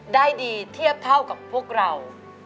ได้ดีเทียบเท่ากับพวกเรา